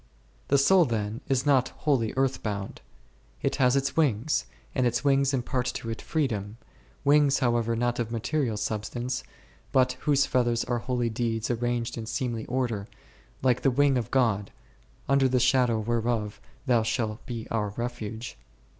The soul, then, is not wholly earth bound; it has its wings, and its wings impart to it freedom ; wings, however, not of material substance, but whose feathers are holy deeds arranged in seemly order, like that wing of God, under the shadow whereof shall be our refuge.